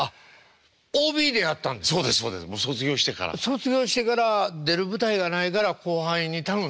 卒業してから出る舞台がないから後輩に頼んで？